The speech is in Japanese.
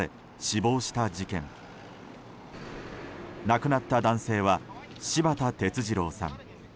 亡くなった男性は柴田哲二郎さん。